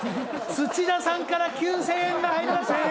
土田さんから９０００円が入りました。